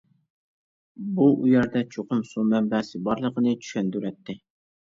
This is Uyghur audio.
بۇ ئۇ يەردە چوقۇم سۇ مەنبەسى بارلىقىنى چۈشەندۈرەتتى.